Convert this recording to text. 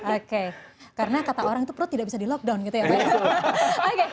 oke karena kata orang itu perut tidak bisa di lockdown gitu ya pak ya